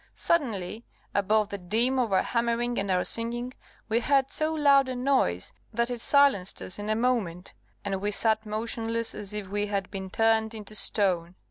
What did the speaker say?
Suddenly, above the din of our hammering and our singing, we heard so loud a noise that it silenced us in a moment, and we sat motionless as if we had been turned into stone.